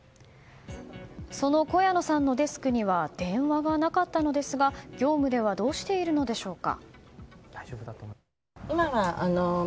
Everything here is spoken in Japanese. その小谷野さんのデスクには電話がなかったのですが業務ではどうしているのでしょうか。